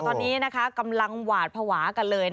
ตอนนี้กำลังหวาดภาวะกันเลย